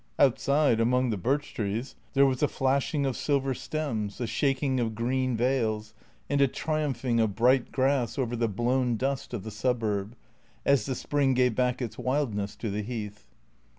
Outside, among the birch trees, there was a flashing of silver stems, a shaking of green veils, and a triumphing of bright grass over the blown dust of the suburb, as the spring gave back its wildness to the Heath.